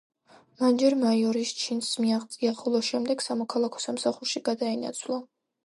მან ჯერ მაიორის ჩინს მიაღწია, ხოლო შემდეგ სამოქალაქო სამსახურში გადაინაცვლა.